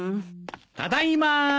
ただいま。